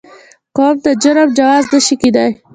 قوم د جرم جواز نه شي کېدای.